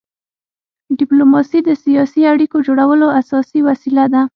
ډيپلوماسي د سیاسي اړیکو جوړولو اساسي وسیله ده.